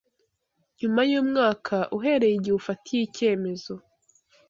Nyuma y’umwaka uhereye igihe ufatiye icyemezo,